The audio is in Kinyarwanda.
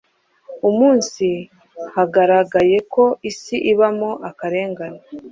umunsi hagaragaye ko isi ibamo akarengane